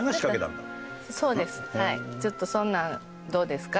ちょっとそんなんどうですか？